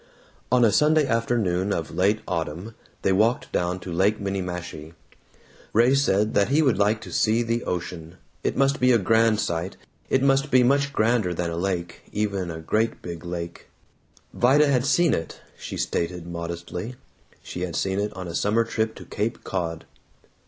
On a Sunday afternoon of late autumn they walked down to Lake Minniemashie. Ray said that he would like to see the ocean; it must be a grand sight; it must be much grander than a lake, even a great big lake. Vida had seen it, she stated modestly; she had seen it on a summer trip to Cape Cod.